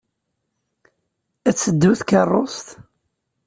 Ad teddu tkeṛṛust.